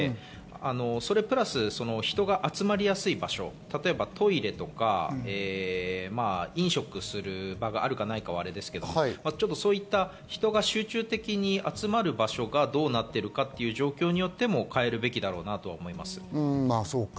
それプラス人が集まりやすい場所、例えばトイレとか飲食する場があるかは分からないですけれど、そういった人が集中的に集まる場所がどうなっているかっていうのは状況によっても変えるべきだなと思います。